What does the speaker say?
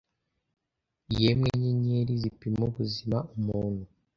Yemwe nyenyeri, zipima ubuzima umuntu,